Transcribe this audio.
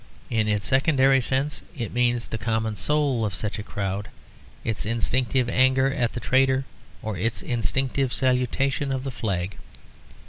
In its secondary sense it means the common soul of such a crowd, its instinctive anger at the traitor or its instinctive salutation of the flag.